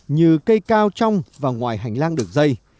như cây cao trong và ngoài hành lang đường dây